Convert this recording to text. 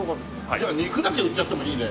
じゃあ肉だけ売っちゃってもいいね。